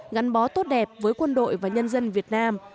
ngắn bó tốt đẹp với quân đội và nhân dân việt nam